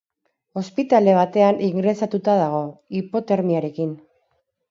Ospitale batean ingresatuta dago, hipotermiarekin.